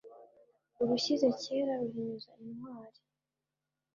Urushyize kera ruhinyuza intwari.